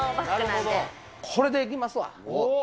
これでいきますわ。